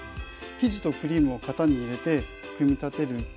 生地とクリームを型に入れて組み立てる。